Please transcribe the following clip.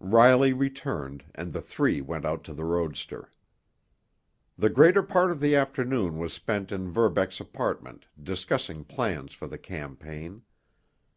Riley returned, and the three went out to the roadster. The greater part of the afternoon was spent in Verbeck's apartment discussing plans for the campaign.